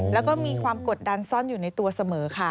แล้วก็มีความกดดันซ่อนอยู่ในตัวเสมอค่ะ